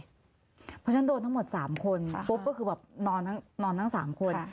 เพราะฉะนั้นโดนทั้งหมด๓คนปุ๊บก็คือแบบนอนทั้ง๓คน